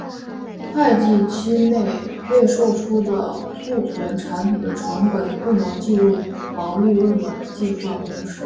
会计期内未售出的库存产品的成本不能计入毛利润的计算公式。